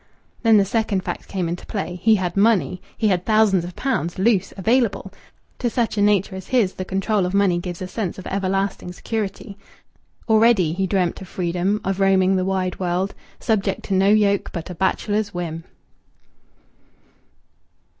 Then the second fact came into play. He had money. He had thousands of pounds, loose, available! To such a nature as his the control of money gives a sense of everlasting security. Already he dreamt of freedom, of roaming the wide world, subject to no yoke but a bachelor's whim.